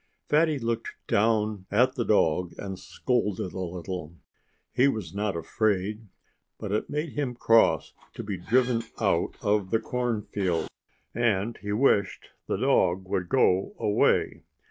Fatty looked down at the dog and scolded a little. He was not afraid. But it made him cross to be driven out of the cornfield. And he wished the dog would go away.